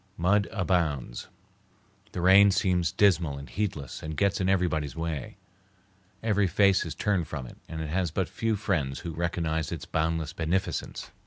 Mud abounds. The rain seems dismal and heedless and gets in everybody's way. Every face is turned from it, and it has but few friends who recognize its boundless beneficence.